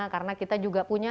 karena kita juga punya